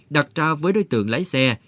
đặt ra với đối tượng lái xe